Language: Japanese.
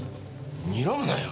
にらむなよ。